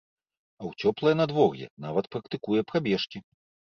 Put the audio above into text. А ў цёплае надвор'е нават практыкуе прабежкі.